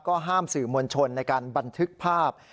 ห้ามสื่อมวลชนในการบันทึกภาพ